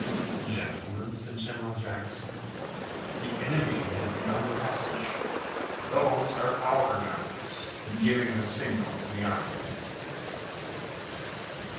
"Gentlemen," said General Jackson, "the enemy has begun the passage. Those are our guns giving the signal to the army."